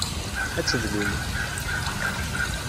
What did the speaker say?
Ad tebdum.